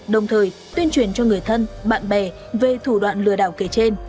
đồng thời tuyên truyền cho người thân bạn bè về thủ đoạn lừa đảo kể trên